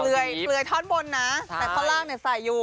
เหลือยท่อนบนนะแต่ข้างล่างใส่อยู่